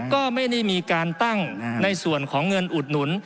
ก็ไม่ได้มีการตั้งในส่วนของเงินอุดหนุน